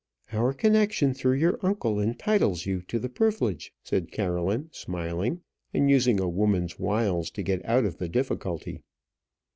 "Our connection through your uncle entitles you to the privilege," said Caroline, smiling, and using a woman's wiles to get out of the difficulty.